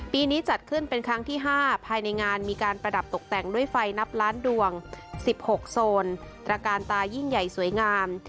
นี้จัดขึ้นเป็นครั้งที่๕ภายในงานมีการประดับตกแต่งด้วยไฟนับล้านดวง๑๖โซนตระการตายิ่งใหญ่สวยงาม